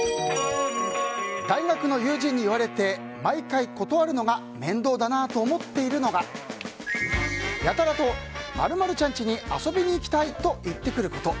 大学の友人に言われて毎回断るのが面倒だなと思っているのがやたらと、○○ちゃんちに遊びに行きたいと言ってくること。